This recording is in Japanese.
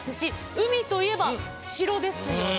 海といえば城ですよね？